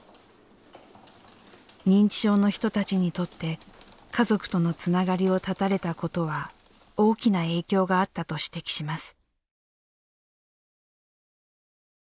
認知症の人たちにとって家族とのつながりを断たれたことは大きな影響があったと指摘します。